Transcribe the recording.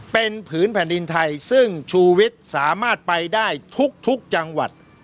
เป็นผืนแผ่นดินไทยซึ่งชูวิทย์สามารถไปได้ทุกจังหวัด